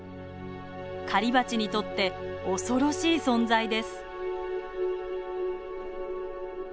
狩りバチにとって恐ろしい存在です。